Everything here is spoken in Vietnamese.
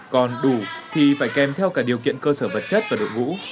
còn đủ thì phải kèm theo cả điều kiện cơ sở vật chất và đội ngũ